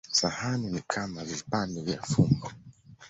Sahani ni kama vipande vya fumbo.